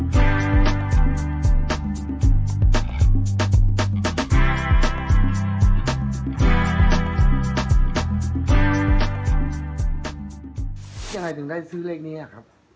แล้วทำไมน่าจะอยู่ครับ